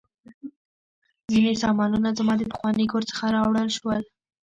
ځینې سامانونه زما د پخواني کور څخه راوړل شوي دي